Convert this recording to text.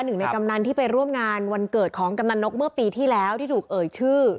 หนึ่งในกำนันที่ไปร่วมงานวันเกิดของกำนันนกเมื่อปีที่แล้วที่ถูกเอ่ยชื่อ